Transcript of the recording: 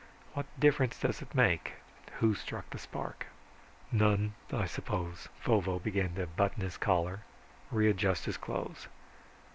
"What difference does it make, who struck the spark?" "None, I suppose." Vovo began to button his collar, readjust his clothes.